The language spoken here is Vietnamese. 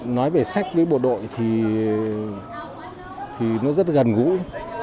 nói về sách với bộ đội thì nó rất là gần gũi